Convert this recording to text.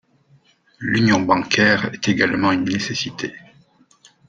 L’union bancaire est également une nécessité.